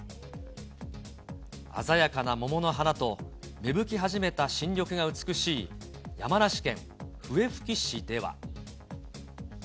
鮮やかな桃の花と芽吹き始めた新緑が美しい、山梨県笛吹市では。